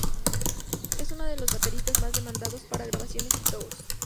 Es uno de los bateristas más demandados para grabaciones y tours.